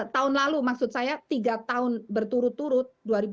tahun lalu maksud saya tiga tahun berturut turut